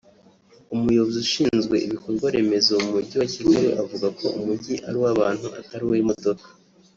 Umuyobozi ushinzwe ibikorwaremezo mu Mujyi wa Kigali avuga ko umujyi ari uw’abantu atari uw’imodoka